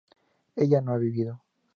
¿ella no ha vivido?